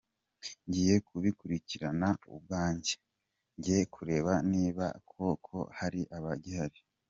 Ngiye kubikurikirana ubwanjye, njye kureba niba koko hari abagihari.